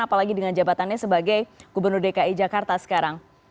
apalagi dengan jabatannya sebagai gubernur dki jakarta sekarang